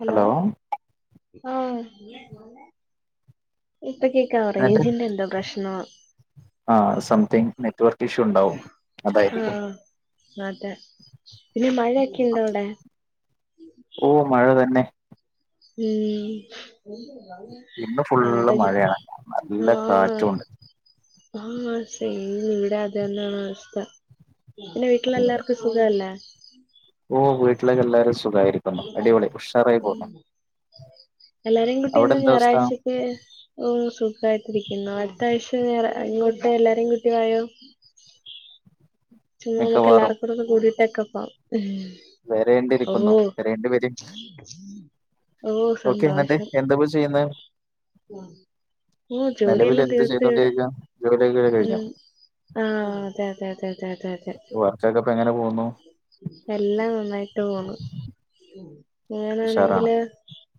Hello ആഹ് ഇപ്പൊ കേ ക്കാ റേഞ്ചിന്റെ എന്തോ പ്രശ്നവാ ആ സംതിങ്ങ് നെറ്റ്വർക്ക് ഇഷ്യൂ ഉണ്ടാവും ആഹ അതായിരിക്കും അതെ പിന്നെ മഴയൊക്കെ ഉണ്ടോവിടെ ഓ മഴ തന്നെ ഉം ഇന്ന് ഫുള്ള് [unintelligible] മഴയാണ് നല്ല ആഹ കാറ്റുണ്ട് ആഹ സെയിം ഇവിടെ അതന്നാണ് അവസ്ത പിന്നെ അതെ. വീട്ടിലെല്ലാവർക്കും സുഖല്ലേ ഓ വീട്ടിലേക്കെ എല്ലാരും സുഖമായിരിക്കുന്നു അടിപൊളി ഉഷാറായി പോകുന്നു എല്ലാരെയും അവിടെ കുട്ടിയന്നാ എന്താ അവസ്ഥ ഞായറാഴ്ച ഓഹ് സുഖായിട്ടരിക്കുന്നു അടുത്ത ആഴ്ച്ച ഞാറ ഇങ്ങോട്ട് എല്ലാരേയും കൂട്ടി വായോ ചുമ്മാ നമ്മുക്ക് മിക്കവാറും എല്ലാർക്കും ഒന്ന് കൂടീട്ടൊക്കെ പോകാം വരേണ്ടിരിക്കുന്നു വരേണ്ടി വരും ഓഹ് ഓക്കെ എന്നിട്ട് സന്തോഷം എന്താപ്പ ചെയ്യുന്നെ ആഹ് ഓഹ് നിലവിൽ ജോലിയെല്ലാം എന്ത് തീർത്ത് ഇവിടെ ചെയ്തോണ്ടിരിക്കാ ജോലിയൊക്കെ കഴിഞ്ഞോ ഉം ആഹ് അതെ അതെ അതെ അതെ അതെ അതെ [unintelligible] എങ്ങനെ പോന്നു എല്ലാം നന്നായിട്ട് പോണു ഉഷാറാണ് ഞാനാണെങ്കില്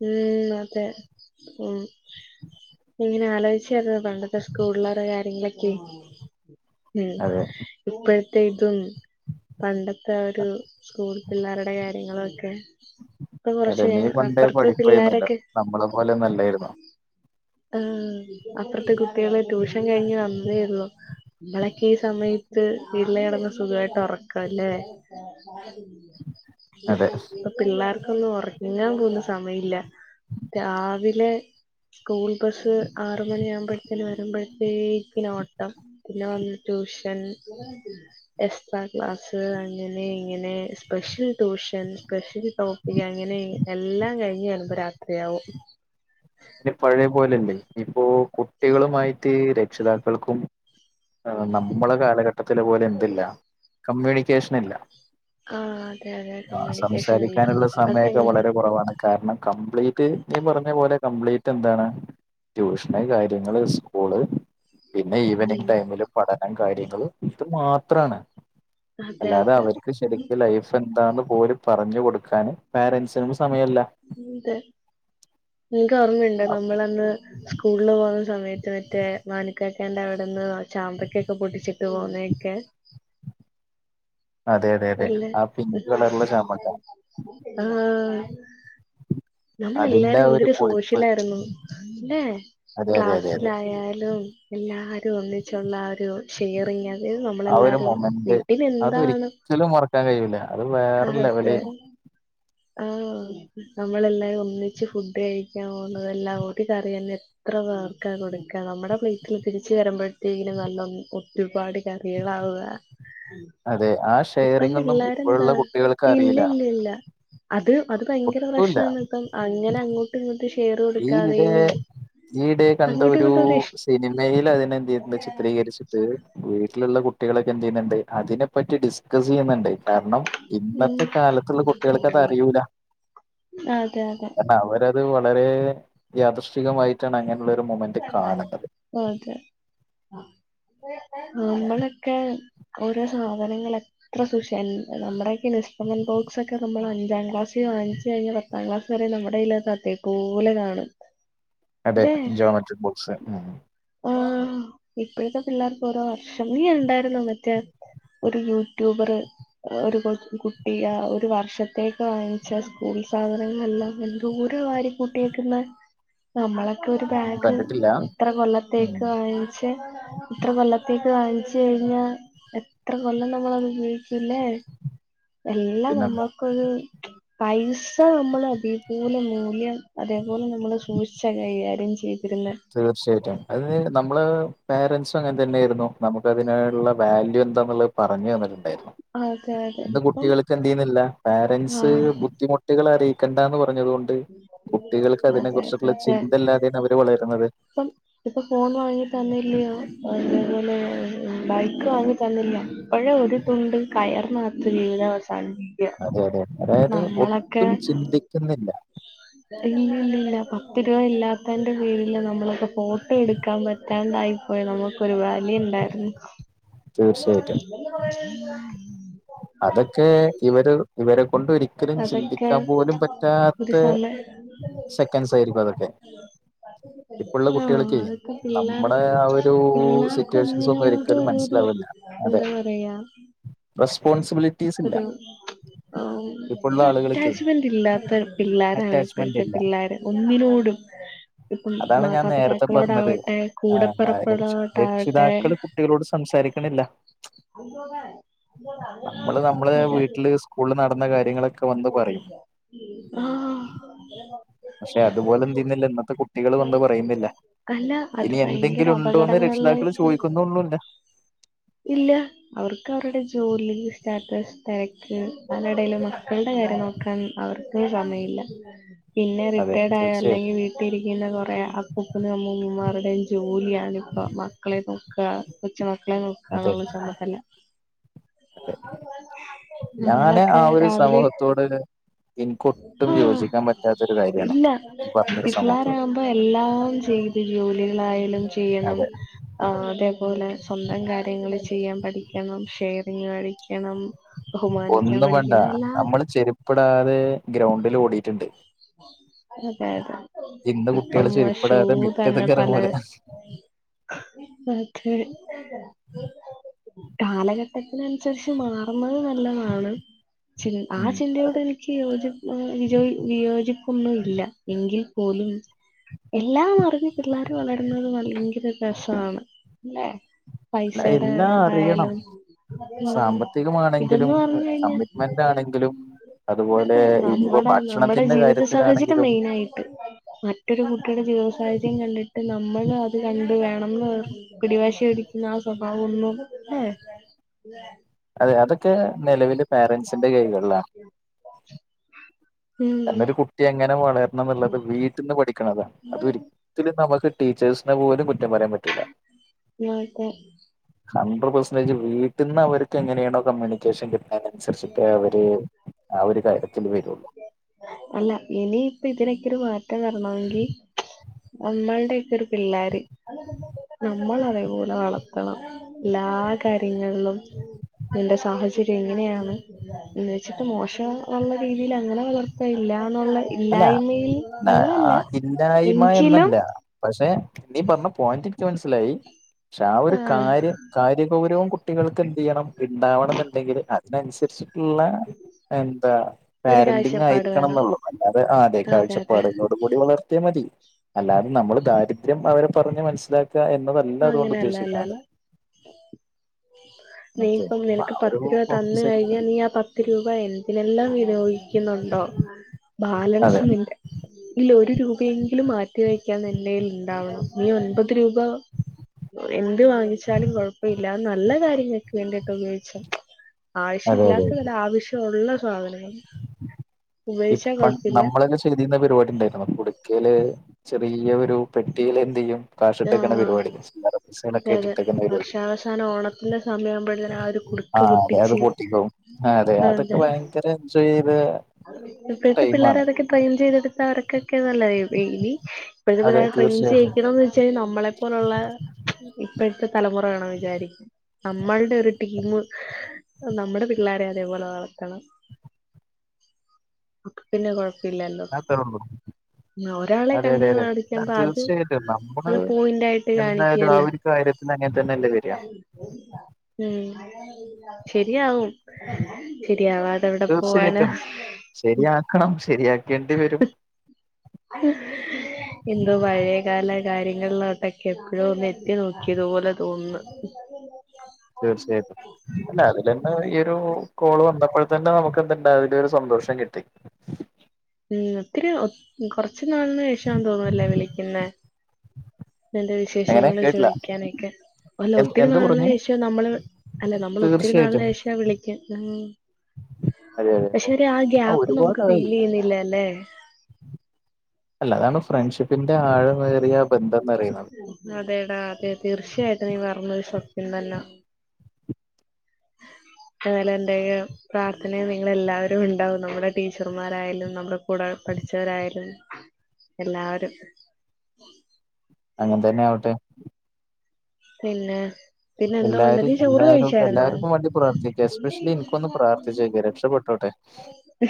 മ് അതെ മ് ഇങ്ങനെ ആലോചിച്ചാത് പണ്ടത്തെ സ്കൂളിലെ ഓരോ കാര്യങ്ങളൊക്കെ ഉം അതെ ഇപ്പഴത്തെ ഇതും പണ്ടത്തെ ഒരു സ്കൂൾ പിള്ളേരുടെ കാര്യങ്ങളൊക്കെ പ്പെ അതെ കൊറ്ച്ച് നീ പണ്ടേ അപ്പർത്തെ പഠിപ്പായിരുന്നല്ലോ പിള്ളേരൊക്കെ നമ്മളെ പോലൊന്നുല്ലേര്ന്നു ആഹ് അപ്പർത്തെ കുട്ട്യേള് ട്യൂഷൻ കഴിഞ്ഞ് വന്നേ ഒള്ളൂ. ഇങ്ങളക്കെ ഈ സമയത്ത് വീട്ടില് ഇടന്ന് സുഖവായിട്ട് ഒറക്കാല്ലെ [unintelligible] അതെ പിന്നിം [unintelligible] പിള്ളേർക്കൊന്നും ഒറങ്ങാൻപോലും സമയില്ല രാവിലെ സ്കൂൾ ബസ്സ് ആറുമണി ആവ്മ്പഴ് റ്റെല് വരുമ്പഴത്തേക്ക്ന് ഓട്ടം പിന്നെ വന്ന് ട്യൂഷൻ എസ്ട്രാ ക്ലാസ് അങ്ങനെ ഇങ്ങനെ സ്പെഷ്യൽ ട്യൂഷൻ സ്പെഷ്യൽ ട്ടൊ ഇയ്യ് അങ്ങനെ എല്ലാം കഴിഞ്ഞ് വരുമ്പം രാത്രിയാവും. ഇനി പഴയ പോലല്ലേ ഇപ്പോ കുട്ടികളുമായിട്ട് രക്ഷിതാക്കൾക്കും ആ നമ്മള് കാലഘട്ടത്തില് പോലെ എന്തില്ല കമ്മ്യൂണിക്കേഷൻ ഇല്ല. ആഹ ആ സംസാരിക്കാനുള്ള സമയമൊക്കെ ഭയങ്കര വളരെ കുറവാണ് കാരണം കംപ്ലീറ്റ് നീ പറഞ്ഞ പോലെ കംപ്ലീറ്റ് എന്താണ്? ട്യൂഷന് കാര്യങ്ങള് സ്കൂള് പിന്നെ ഈവെനിംഗ് ഉം ടൈമില് പഠനം കാര്യങ്ങളും ഇത് മാത്രാണ് അതെ അല്ലാതെ അതെ അവര്ക്ക് ശരിക്ക് ലൈഫ് ന്താന്ന് പോലും പറഞ്ഞ്കൊടുക്കാന് പോരന്റ്സിനും സമയല്ല. ഇന്തേ നിനക്ക് ഓർമ്മയുണ്ടൊ നമ്മളന്ന് സ്കൂളില് പോകുന്ന സമയത്ത് മറ്റേ മാനുക്കാക്കാന്റെ അവ്ടെന്ന് ചാമ്പക്കെക്കൊ പൊട്ടിച്ചിട്ട് പോണേക്കെ അതെ അതെ അതെ അല്ലേ ആ പിങ്ക് കളറിലെ ചാമക്ക ആഹ. അതിന്റെ നമ്മളെല്ലാരും ആ ഒരു എന്തൊരു പൊളിപ്പ് സോഷ്യലായിരുന്നു. ലേ അതെ അതെ അതെ അതെ ക്ലാസ്സിലായാലും എല്ലാരും ഒന്നിച്ചുള്ള ആ ഒരു ഷെയറിങ് അതായത് നമ്മളെല്ലാരും വീട്ടില് എന്താണ് ചിലത് മറക്കാൻ കഴിയൂല്ല അത് വേറെ ലെവലായിരിക്കും. ആഹാ നമ്മളെല്ലാവരും ഒന്നിച്ച് ഫുഡ് കഴിക്കാൻ പോകുന്നതന്നെ എല്ലാം ഒരു കറി തന്നെല്ലേ. എത്ര പേർക്ക കൊടുക്കുക, നമ്മുടെ പ്ലീറ്റിൽ തീരിച്ച് വരുമ്പോഴത്തേക്കും നല്ല, ഒരുപാട് കറികളാവുക! അതെ ആഹാ, ഇപ്പം പിള്ളേരന്താ ഇല്ല ഇല്ല ഇല്ല. അത് അത് ഭയങ്കര ഒട്ടുല്ല പ്രശ്നാണ് ഇപ്പം അങ്ങനെ അങ്ങോട്ട് ഇങ്ങോട്ട് ഷെ നീ ഇവിടെ ഈയിടെ കണ്ട അങ്ങോട്ടും ഒരു ഇങ്ങോട്ടും ഇഷ് സിനിമയിൽ അതിനെ എന്ത് ചെയ്യുന്നു ചിത്രീകരിച്ചിട്ട് വീട്ടിലുള്ള കുട്ടികളൊക്കെ എന്ത് ചെയ്യുന്നുണ്ട് അതിനെപ്പറ്റി ഡിസ്കസ് ചെയ്യുന്നുണ്ട് കാരണം ഉം ഇപ്പാത്തെ കാലത്തുള്ള കുട്ടികൾക്ക് അത് അറിയൂല്ല അതെ അതെ അത് വളരെ യാദൃഷ്ടികമായിട്ടാണ് അങ്ങനെയുള്ള ഒരു മൊമെന്റ് കാണുന്നത് അതെ നമ്മളൊക്കെ ഓരോ സാധനങ്ങൾ എത്ര സുഷ നമ്മുടെ ഇൻസ്‌ട്രുമെന്റ് ബോക്സ് ഒക്കെ നമ്മൾ അഞ്ചാം ക്ലാസ്സ്‌ പുതിയത് വാങ്ങിച്ചു കഴിഞ്ഞാ പത്താം ക്ലാസ്സ് വരെ നമ്മുടെ ഇല്ലാത്ത് അത് അതേപോലെ കാണും അതെ അല്ലേ ജിയോമെട്രിക് ബോക്സ് ആഹ് ഇപ്പോഴത്തെ പിള്ളേർക്ക് ഓരോ വർഷം നീ ഉണ്ടായിരുന്നു മറ്റേ- ഒരു യൂട്യൂബർ ഒരു കൊ കുട്ടി ഒരു വർഷത്തേക്ക് വാങ്ങിച്ച സ്കൂൾ സാധനങ്ങളെല്ലാം എന്തൊരു വാ- കൂട്ടിയേക്കുന്ന നമ്മളൊക്കെ- ഞാൻ ബാഗ് കണ്ടിട്ടില്ല ഇത്ര ഉം കൊല്ലത്തേക്ക് വാങ്ങിച്ച ഇത്ര കൊല്ലത്തേക്ക് വാങ്ങിച്ച കഴിഞ്ഞാ എത്ര കൊല്ലം നമ്മളത് ഉപയോഗിക്കുല്ലേ എല്ലാം പിന്നെന്താ നമ്മൾക്കൊരു പൈസ നമ്മൾ അതേപോലെ മൂല്യം അതേപോലെ നമ്മൾ സൂക്ഷിച്ച കൈകാര്യം ചെയ്യു ഇര്ന്നെ തീർച്ചയായിട്ടും അത് നമ്മള് പേരൻസും അങ്ങനെ തന്നെർന്നു നമുക്ക് അതിനുള്ള വാല്യൂ എന്താന്ന്ള്ളത്. പറഞ്ഞു തന്നിട്ടുണ്ടായിരുന്നു. അതെ അതെ ഇന്ന് ഇപ്പം കുട്ടികൾക്ക് എന്ത് ചെയ്യുന്നില്ല പാരന്റ്സ് ആഹ് ബുദ്ധിമു കുട്ടികളെ അറിയിക്കണ്ട എന്ന് പറഞ്ഞത് കൊണ്ട് കുട്ടികൾക്ക് അതിനെ അതെ കുറിച്ചുള്ള ചിന്തല്ലാതെയാണ് അവര് വളരു പ്പം ഇപ്പൊ ഫോൺ വാങ്ങി തന്നില്ലയോ അതേപോലെ ബൈക്ക് വാങ്ങി തന്നില്ല പ്പഴേ ഒരു. അത് കൊണ്ട് കയർനകത്ത് ജീവിതം അവസാനിപ്പി അതെ അതെ അതായത് ഒട്ടും ചിന്തിക്കുന്ന്ല്ല. ഇല്ലില്ലില്ല പത്ത് രൂപ ഇല്ലാത്തന്റെ പേരില് നമ്മളക്കെ ഫോട്ടോ എടുക്കാൻ പറ്റ് റ്റാണ്ടായി പോയ നമുക്കൊരു ബാല്യുണ്ടായിരുന്ന്. [inaudible] തീർച്ചയായിട്ടും. അതൊക്കെ ഇവര് ഇവരെ കൊണ്ട് ഒരി ക്കലും അതൊക്കെ ചിന്തിക്കാൻ പോലും പറ്റാത്ത ഒരു സമയം സെക്കൻഡ്സ് ആയിരിക്കും അതൊക്കെ. ഇപ്പള്ള ആഹ് കുട്ടികൾക്ക് അതൊക്കെ നമ്മുടെ പിള്ളേർക്ക് ഒരു പിള്ളേർക്ക് സിറ്റുവേഷൻസ് ഒന്നും ഒന്നിനോട് ഒരിക്കലും ഒരു ഒരു മനസ്സിലാവുല്ല. എന്താ പറയാ റെസ്പോൺസിബിലിറ്റീസ് ഇല്ല ഒരു ഉം. ഇപ്പോഴുള്ള ഒരു ആളുകൾക്കേ അറ്റാച്ച്മെന്റ് ഇല്ലാത്ത പിള്ളേരാണ് അറ്റാച്ച്മെന്റ് ഇപ്പോഴത്തെ ഇല്ല പിള്ളേര് ഒന്നിനോടും. ഇപ്പം അതാണ് ഞാൻ നേരത്തെ പറഞ്ഞത് മാതാപിതാക്കളോടാവട്ടെ കൂടപ്പെറപ്പുകളോടാവട്ടെ. രക്ഷിതാക്കൾ കുട്ടികളോട് സംസാരിക്ക്ണില്ല. [unintelligible] നമ്മള് നമ്മളെ വീട്ടില് അതെ സ്കൂളിൽ നടന്ന കാര്യങ്ങളൊക്കെ. വന്ന് പറയും പക്ഷെ അതുപോലെ എന്ത് ചെയ്യുന്നില്ല ആഹ് ഇന്നത്തെ കുട്ടികൾ വന്ന് പറയുന്നില്ല അല്ല അത് ഇനി ഭയങ്കര എന്തെങ്കിലും ഉണ്ടോന്ന് രക്ഷിതാക്കൾ അപകടങ്ങളിലേക്കും ചോദിക്കുന്നുള്ളൂല്ല ഇല്ല അവർക്ക് അവരുടെ ജോലി, സ്റ്റാറ്റസ്, തിരക്ക് അതിനെടേയിലൊന്നും. മക്കൾടെ കാര്യം നോക്കാൻ അവർക്ക് സമയല്ല. പിന്നെ അതെ റിട്ടയേർഡായ തീർച്ചയായിട്ടും അല്ലെങ്കിൽ വീ ട്ടീരിക്കുന്ന കൊറേ അപ്പൂപ്പനും അമ്മൂമ്മമാരുടെയും ജോലിയാണ് ഇപ്പ മക്കളെ നോ ക്കാ കൊച്ചുമക്കളെ നോക്ക എന്നുള്ള ചുമതല. തെ, ഞാന് ആ നമ്മളൊക്കെ ഒരു രാവിലെ സമൂഹത്തോട് എനിക്കൊട്ടും ആഹ് യോജിക്കാൻ പറ്റാത്തൊരു കാര്യമാണ് ഇല്ല ഈ പറഞ്ഞൊരു സമൂഹത്തോട് പിള്ളേരാകുമ്പോ എല്ലാം ചെയ് ത് ജോലികളായാലും ചെയ്യണം. അതെ ആഹ് അതേപോലെ സ്വന്തം കാര്യങ്ങള് ചെയ്യാൻ പഠിക്കണം ഷെയറിങ് പഠിക്കണം. ബഹുമാനിക്കാൻ ഒന്നും വേണ്ട പഠിക്കണം എല്ലാം നമ്മള് ചെരുപ്പ്ടാതെ ഗ്രൗണ്ടിൽ ഓടീട്ട്ണ്ട്. അതെ അതെ ഇന്ന് കുട്ടികൾ ഇപ്പം ഷൂ ചെരുപ്പിടാതെ തന്നെ മിറ്റത്ത്ക്ക് പലേ ഇറങ്ങൂല ഓക്കേ കാലഘട്ടത്തിനൻസരിച്ച് മാറുന്നത് നല്ലതാണ്. ചിൻ ആ ഉം ചിന്തയോട് എനിക്ക് യോജിപ്പൊന്നും വിജോ വിയോ ക്കൊന്നും ഇല്ല. എങ്കിൽ പോലും. എല്ലാം അറിഞ്ഞ് പിള്ളേർ വളരുന്നത് ഭയങ്കര രസാണ് അല്ലെ? അല്ല പൈസയുടെ എല്ലാം അറിയണം ഇതായാലും. ഉം ഇതെന്ന് സാമ്പത്തികമാണെങ്കിലും പറഞ്ഞ് കഴിഞ്ഞ കമ്മിറ്റ്മെന്റ് ആണെങ്കിലും അതുപോലെ ഇനിയിപ്പോ നമ്മടെ നമ്മടെ ഭക്ഷണത്തിന്റെ ജീവിത സാഹചര്യം കാര്യത്തിലാണെങ്കിലും മെയ്നായിട്ട്. മറ്റൊരു കുട്ടിയുടെ ജീവിത സാഹചര്യം കണ്ടിട്ട് നമ്മൾ അത് കണ്ട് വേണംന്ന് പറ പിടിവാശി പിടിക്കുന്ന ആ സ്വഭാവൊന്നും ല്ലേ. അതെ അതൊക്കെ നിലവില് പേരൻസിന്റെ കൈകൾലാണ്. ഉം നല്ലോരു കുട്ടി എങ്ങനെ വളരണം എന്നുള്ളത് വീട്ട്ന്ന് പഠിക്കണതാ. അത് ഒരി തില് നമുക്ക് ടീച്ചേഴ്സിനെ പോലും കുറ്റം പറയാൻ പറ്റി [unintelligible] ഹൺഡ്രഡ് പെർസെൻറേജ് വീട്ടിൽന്ന് അവർക്ക് എങ്ങനെയാണോ കമ്മ്യൂണിക്കേഷൻ കി ആ അനുസരിച്ചിട്ട് അവര് ആ ഒരു കാര്യത്തില് വരുള്ളൂ അല്ല ഇനി ഇപ്പ ഇതിനക്കെ ഒരു മാറ്റം വരണമെങ്കിൽ നമ്മളടെയ ഒക്കെ ഒരു പിള്ളേര് നമ്മള് അതേപോലെ വളത്തണം എല്ലാ കാര്യങ്ങളും ന്റെ സാഹചര്യം എങ്ങനെയാണ്. എന്ന് വെച്ചിട്ട് മോശം ഒള്ള രീതിയിൽ അങ്ങനെ വളർ ഇല്ലാന്നുള്ള അല്ല ഇല്ലായ്മയിൽ അങ്ങനെയല്ല ഇല്ലായ്മ എങ്കിലും. എന്നല്ല പക്ഷെ നീ പറഞ്ഞ പോയിന്റ്നിക്ക് മനസ്സിലായി. ക്ഷെ ആ ഒരു ആഹ് കാര്യം കാര്യ ഗൗരവും കുട്ട കുട്ടികൾക്ക് എന്ത് ചെയ്യണം ഉണ്ടാവണം എന്നുണ്ടെങ്കിൽ അതിനനുരിച്ച് ള്ള എന്താ ഒരു പാരന്റിങ് കാഴ്ചപ്പാട് ആയിരിക്കണം വേണം ന്നള്ളു. അല്ലാതെ ആതെ അതെ അതെ കാഴ്ചപ്പാട്ന്നും. കുടിവളർത്തിയ മതി അല്ലാതെ നമ്മള് ദാരിദ്ര്യം അവരെ പറഞ്ഞ് മനസ്സിലാക്ക എന്നത് ആഹ് അങ്ങനെയല്ല അല്ലല്ല അതെ നീയിപ്പം അപ്പൊ നിനക്ക് ആ ഒരു പത്ത് രൂപ തന്ന് ഫോക്കസ് കഴിഞ്ഞാ നീ ആ പത്ത് പത്ത് രൂപ എന്തിനെല്ലാം വിനിയോഗിക്കുന്നുണ്ടോ? അതെ ബാലൻസുമില്ല ഇല്ല ഒരു രൂപയെങ്കിലും മാറ്റി വെക്കാൻ എന്റെൽ ഉണ്ടാവണം നീ ഒൻപത് രൂപ എന്ത് വാങ്ങിച്ചാലും കൊഴപ്പഇല്ല നല്ല കാര്യങ്ങൾക്ക് വേണ്ടിട്ട് ഉപയോഗിച്ച. അതെ അതെ ആവശ്യംല്ലാത്തതല്ല ആവശ്യള്ള സാധനങ്ങൾ. ഉപയോഗിച്ചാ കുഴപ്പില്ല തിന്ന പരിപാടി ഉണ്ടായിരുന്നു. നമ്മു കുടുക്കല് ചെറിയ ഒരു പെട്ടില് എന്ത് ചെയ്യും കാഷിട്ടക്ക ആഹ് പരിപാടി [unintelligible] പരിപാടി ഞാ അവസാനം ഓണം നല്ല സമയകുമ്പോഴത്തേനു ആരും ആഹ് അതെ അത് പൊട്ടിക്കവും അതെ അതൊക്കെ ഭയങ്കര ചെയ്ത് ഇപ്പോഴത്തെ പിള്ളേര് അതൊക്കെ ട്രെയിൻ ചെയ്തെട്ത്താ അവര്ക്ക് ക്കെ നല്ലതെ [unintelligible] ഇപ്പോഴത്തെ അതെ പിള്ളേരെ ട്രെയിന് തീർച്ചയായിട്ടും ചെയ്യികണം ന്ന് ഛേ നമ്മളെപ്പോലുള്ള ഇപ്പോഴത്തെ തലമുറ വേണം വിചാരിക്കാ നമ്മളുടെ ഒരു ടീമ്മ് നമ്മടെ പിള്ളാരെ അതേപോലെ വളത്തണം. അത് പിന്നെ കുഴപ്പമില്ലല്ലോ? ത അത്രഉളു നോരാളെ കണ്ട് പഠിക്ക്പ അത് തീർച്ചയായിട്ടും അത് പോയിന്റ് ആയിട്ട് കാണിക്കുകല്ലോ കാര്യത്തി അങ്ങൻതന്നെല്ലേ വര് അ ഉം ശരിയാവും ശരിയാവാതെ അഹ് എവിടെ പോകനാ ശെരിയാക്കണം, ശെരിയാക്കേണ്ടി വരും. [unintelligible] എന്തോ പഴയകാല കാര്യങ്ങളിലോട്ടൊക്കെ എപ്പോഴോന്ന് എത്തി നോക്കിയതുപോലെ തോന്നുന്ന്. തീർച്ചയായിട്ടും അല്ല അതില്തന്നെ ഈ ഒരു കോള് വന്നപ്പോഴ് തന്നെ നമുക്ക് എന്തുണ്ട് അയിലരു സന്തോഷം കിട്ടി. ഉം ഒത്തിരിഒ കൊറച്ചു ഒനാളിന് ഏഷ തോന്ന്ല്ലേ വിളിക്കുന്നെ നതാ എങ്ങനെ വിശേഷങ്ങള് കേട്ടില്ല ചോയിക്കാനൊക്കെ അല്ല എ ഒത്തിരി എന്ത് പറഞ്ഞു നാളിന് ഏഷ നമ്മള്. അല്ല നമ്മള ഒത്തിരി നാളിന് തീർച്ചയായിട്ടും ഏഷ വിളിക്ക് ഉം അതെ അതെ പക്ഷെ ഒര് ആ ഗ്യാപ്പ് നമുക്ക് ഫീൽ ചെയ്യുന്നില്ലല്ലേ അല്ല അതാണ് ഫ്രണ്ട്ഷിപ്പിന്റെ ആഴമേറിയാ അതെടാ അതെ തീർച്ചയായിട്ട് നീ പറഞ്ഞത് സത്യം തന്നെ അങ്ങനെ എന്തെകിലും പ്രാർത്ഥനയിൽ നിങ്ങല്ലാവരും ഉണ്ടാവും. നമ്മുടെ ടീച്ചർമാരായാലും, നമ്മുടെ കൂടെ പഠിച്ചവരായാലും. എല്ലാരും അങ്ങൻതന്നെയാവട്ടെ പിന്നെ പിന്നെ എന്തോണ്ട് എല്ലാരും നീ ചോറ് എല്ലാവരും കഴിച്ചായിരുന്നോ എല്ലാവർക്കും വേണ്ടി പ്രാർത്ഥിക്കുക എസ്പെഷ്യലി എനിക്കൊന്ന് പ്രാർത്ഥിച്ചേക്ക രക്ഷപ്പെട്ടോട്ടെ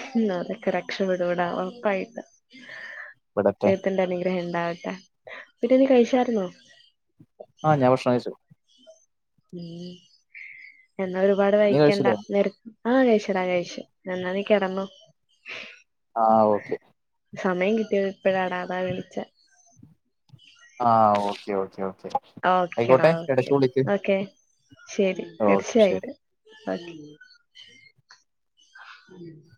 ഹും അതൊക്കെ രക്ഷപെടുടാ ഉറപ്പായിട്ട് ഇവിടത്തെ ദൈവത്തിന്റെഅനുഗ്രഹം ഇണ്ടാവട്ടെ. പിന്നെ നീ കഴിച്ചായിര്ന്നോ? ആ ഞാൻ ഭക്ഷണം കഴിച്ചു. മം എന്നാ ഒരുപാട് നീ വൈകിക്കണ്ട കഴിച്ചില്ലേ നി ആ കഴിച്ചടാ കഴിച്ചു. എന്നാ നീ കിടന്നോ. ആ ഓക്കെ. സമയം കിട്ടിയത് ഇപ്പഴാടാ അതാ വിളിച്ചേ. ആഹ് ഓക്കേ ഓക്കേ ഓക്കെ ഓക്കേടാ ആയിക്കോട്ടെ ഓക്കേ ഇടക്ക് വിളിക്ക് ഓക്കെ ശരി ഓക്കെ ശരി തീർച്ചയായിട്ടും. [unintelligible]